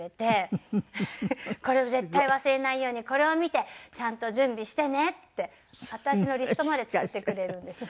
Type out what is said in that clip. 「これを絶対忘れないようにこれを見てちゃんと準備してね」って私のリストまで作ってくれるんです。